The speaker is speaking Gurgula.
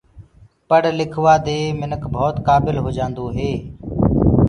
پڙه لکوآ دي منک ڀوت ڪآبل هوجآندو هي۔